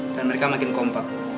dan mereka makin kompak